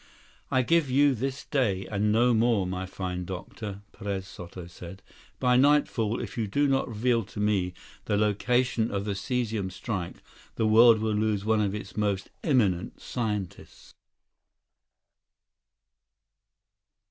"I give you this day, and no more, my fine doctor," Perez Soto said. "By nightfall, if you do not reveal to me the location of the cesium strike, the world will lose one of its most eminent scientists!"